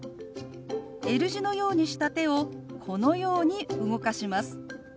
Ｌ字のようにした手をこのように動かします。